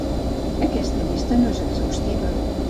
Aquesta llista no és exhaustiva.